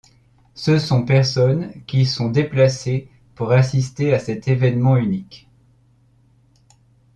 Ce sont personnes qui se sont déplacées pour assister à cet événement unique.